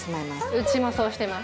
うちもそうしてます。